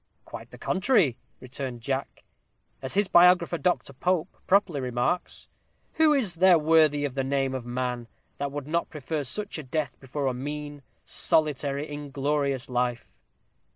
"Quite the contrary," returned Jack. "As his biographer, Doctor Pope, properly remarks, 'Who is there worthy of the name of man, that would not prefer such a death before a mean, solitary, inglorious life?'